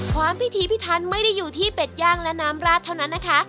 พิธีพิทันไม่ได้อยู่ที่เป็ดย่างและน้ำราดเท่านั้นนะคะ